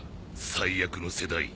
最悪の世代。